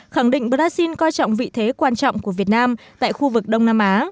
khẳng định brazil coi trọng vị thế quan trọng của việt nam tại khu vực đông nam á